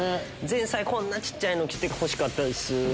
前菜こんな小っちゃいの来てほしかったです。